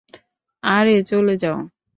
আরে চলে যাও।